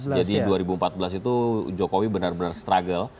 jadi dua ribu empat belas itu jokowi benar benar strike